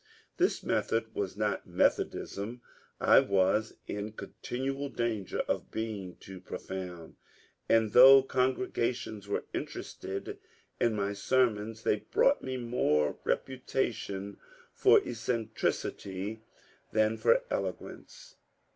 This method was not Methodism. I was in continual danger of being ^^ too pro found," and though congregations were interested in my ser mons, they brought me more reputation for eccentricity than for eloquence.